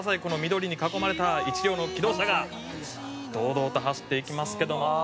この緑に囲まれた１両の気動車が堂々と走っていきますけども」